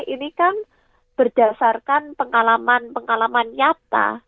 ini kan berdasarkan pengalaman pengalaman nyata